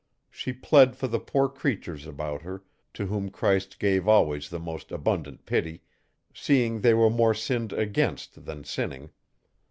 She plead for the poor creatures about her, to whom Christ gave always the most abundant pity, seeing they were more sinned against than sinning.